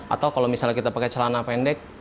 atau kalau misalnya kita pakai celana pendek